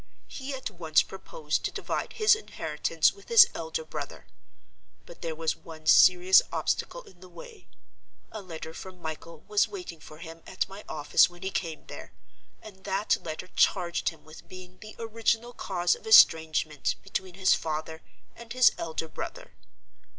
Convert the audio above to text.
He at once proposed to divide his inheritance with his elder brother. But there was one serious obstacle in the way. A letter from Michael was waiting for him at my office when he came there, and that letter charged him with being the original cause of estrangement between his father and his elder brother.